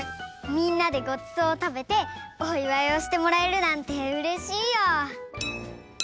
みんなでごちそうをたべておいわいをしてもらえるなんてうれしいよ。